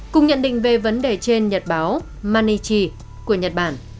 cùng nhận định về vấn đề trên nhật báo manichi của nhật bản